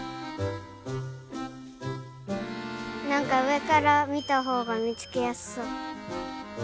なんかうえからみたほうがみつけやすそう。